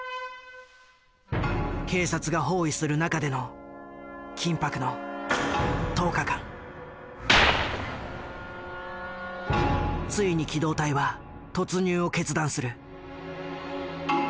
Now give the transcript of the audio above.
警察が包囲する中での緊迫のついに機動隊は突入を決断する。